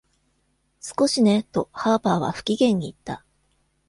「少しね」とハーパーは不機嫌に言った。